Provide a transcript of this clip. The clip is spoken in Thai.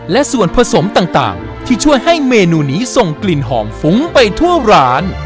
และส่วนผสมต่างที่ช่วยให้เมนูนี้ส่งกลิ่นหอมฟุ้งไปทั่วร้าน